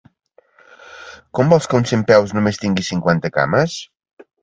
Com vols que un centpeus només tingui cinquanta cames?